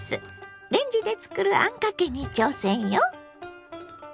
レンジで作るあんかけに挑戦よ！